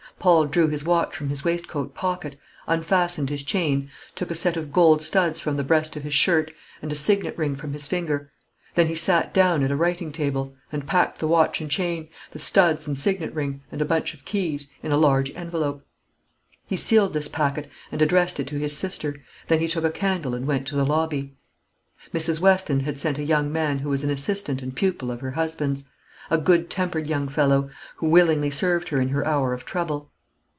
Paul drew his watch from his waistcoat pocket, unfastened his chain, took a set of gold studs from the breast of his shirt, and a signet ring from his finger; then he sat down at a writing table, and packed the watch and chain, the studs and signet ring, and a bunch of keys, in a large envelope. He sealed this packet, and addressed it to his sister; then he took a candle, and went to the lobby. Mrs. Weston had sent a young man who was an assistant and pupil of her husband's a good tempered young fellow, who willingly served her in her hour of trouble.